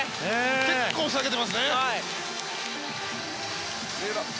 結構下げてますね。